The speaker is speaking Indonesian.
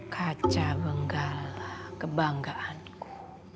kaca benggala kebanggaanku